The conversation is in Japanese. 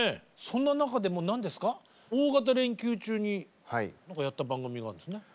そんな中でも何ですか大型連休中にやった番組があるんですね。